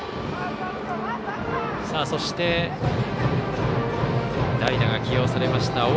そして、代打が起用されました。